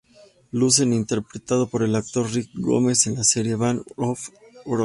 Luz es interpretado por el actor Rick Gomez en la serie Band of Brothers.